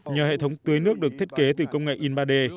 nhờ hệ thống tưới nước được thiết kế từ công nghệ in ba d